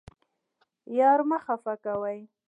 یار مه خفه کوئ